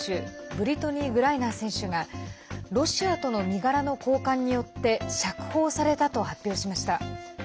ブリトニー・グライナー選手がロシアとの身柄の交換によって釈放されたと発表しました。